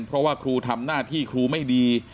เพราะว่าครูทำหน้าที่ครูไม่ดี